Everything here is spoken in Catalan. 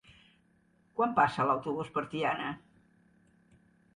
Quan passa l'autobús per Tiana?